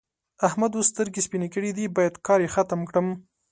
احمد اوس سترګې سپينې کړې دي؛ بايد کار يې ختم کړم.